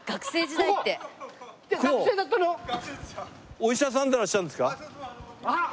お医者さんでいらっしゃるんですか？